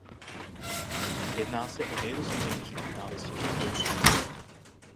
Jedná se o nejrozšířenější typ návěstidla v Polsku.